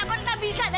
gak pernah bisa